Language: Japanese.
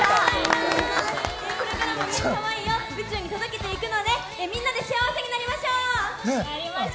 これからも皆さまの愛をうちに届けていくので、みんなで幸せになりましょう！